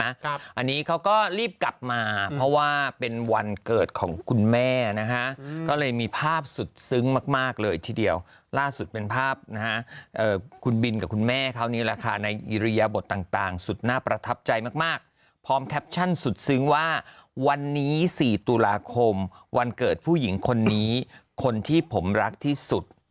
อันนี้เขาก็รีบกลับมาเพราะว่าเป็นวันเกิดของคุณแม่นะฮะก็เลยมีภาพสุดซึ้งมากมากเลยทีเดียวล่าสุดเป็นภาพนะฮะคุณบินกับคุณแม่เขานี่แหละค่ะในอิริยบทต่างสุดน่าประทับใจมากพร้อมแคปชั่นสุดซึ้งว่าวันนี้๔ตุลาคมวันเกิดผู้หญิงคนนี้คนที่ผมรักที่สุด